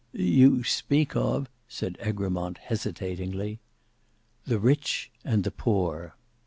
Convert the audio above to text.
"You speak of—" said Egremont, hesitatingly. "THE RICH AND THE POOR."